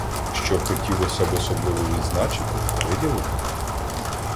Що хотілося б особливо відзначити, виділити?